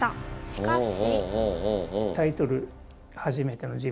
しかし。